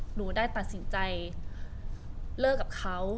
หนูได้ตัดสินใจเลิกกับเขา